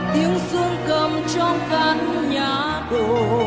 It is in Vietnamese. tiếng sương cầm trong khăn nhà đồ